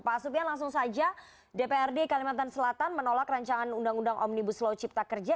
pak supian langsung saja dprd kalimantan selatan menolak perancangan undang undang omnibus low chips tak kerja